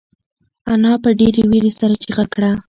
انا په ډېرې وېرې سره چیغه کړه.